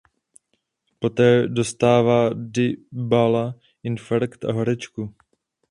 Poté dostává Dibala infarkt a horečku.